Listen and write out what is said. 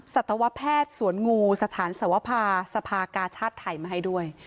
สัตวแพทย์สวนงูสถานสวภาสภากาชาติไทยมาให้ด้วย